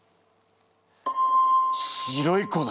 白い粉！？